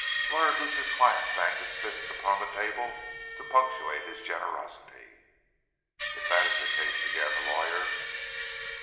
Lawyer Gooch's client banged his fist upon the table to punctuate his generosity. "If that is the case—" began the lawyer.